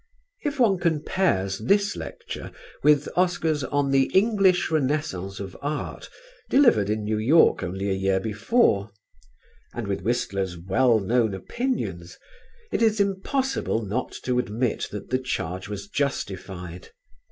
If one compares this lecture with Oscar's on "The English Renaissance of Art," delivered in New York only a year before, and with Whistler's well known opinions, it is impossible not to admit that the charge was justified.